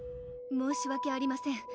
申し訳ありません